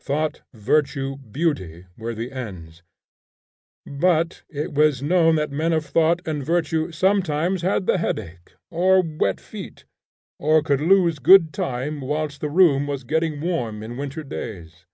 Thought, virtue, beauty, were the ends; but it was known that men of thought and virtue sometimes had the headache, or wet feet, or could lose good time whilst the room was getting warm in winter days.